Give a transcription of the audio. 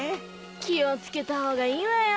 気を付けたほうがいいわよ。